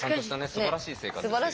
すばらしい生活してる。